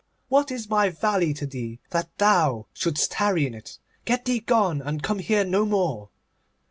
What is my valley to thee, that thou shouldst tarry in it? Get thee gone, and come here no more.